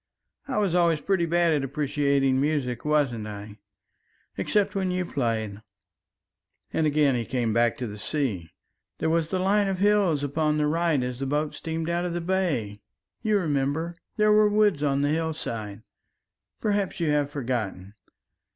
"I was always pretty bad at appreciating music, wasn't I? except when you played," and again he came back to the sea. "There was the line of hills upon the right as the boat steamed out of the bay you remember there were woods on the hillside perhaps you have forgotten.